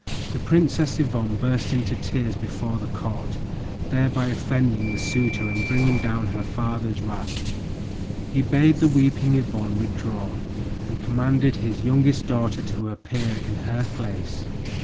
The Princess Yvonne burst into tears before the court, thereby offending the suitor and bringing down her father's wrath. He bade the weeping Yvonne withdraw and commanded his youngest daughter to appear in her place.